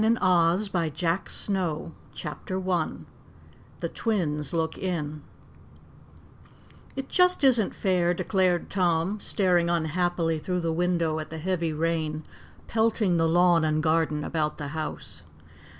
Twink and Tom Home Again CHAPTER 1 The Twins Look In "It just isn't fair," declared Tom, staring unhappily through the window at the heavy rain pelting the lawn and garden about the house.